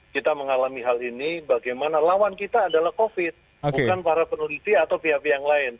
kita mengalami hal ini bagaimana lawan kita adalah covid bukan para peneliti atau pihak pihak yang lain